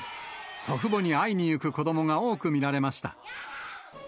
祖父母に会いに行く子どもが多く見られました。